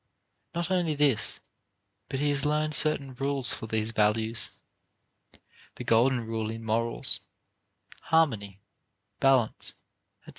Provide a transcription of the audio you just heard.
Not only this, but he has learned certain rules for these values the golden rule in morals; harmony, balance, etc.